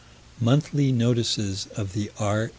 _Monthly Notices of the R.